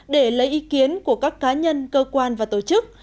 để lấy ý kiến của các cá nhân cơ quan và tổ chức